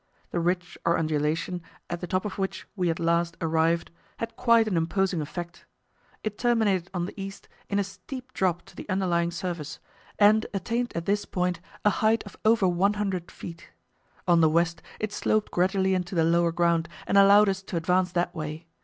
The ridge or undulation, at the top of which we at last arrived, had quite an imposing effect. It terminated on the east in a steep drop to the underlying surface, and attained at this point a height of over 100 feet. On the west it sloped gradually into the lower ground and allowed us to advance that way.